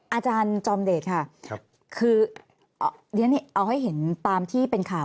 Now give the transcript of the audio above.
อาจารย์จอมเดช่์ค่ะ